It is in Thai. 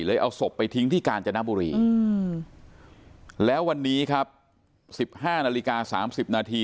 เอาศพไปทิ้งที่กาญจนบุรีแล้ววันนี้ครับ๑๕นาฬิกา๓๐นาที